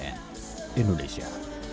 eddie chan cnn indonesia